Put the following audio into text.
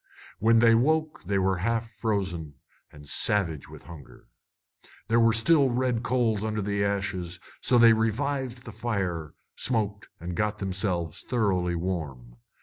When they woke, they were half frozen and savage with hunger. There were still red coals under the ashes, so they revived the fire, smoked, and got themselves thoroughly warm.